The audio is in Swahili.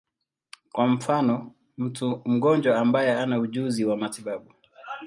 Kwa mfano, mtu mgonjwa ambaye hana ujuzi wa matibabu.